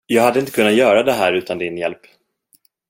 Jag hade inte kunnat göra det här utan din hjälp.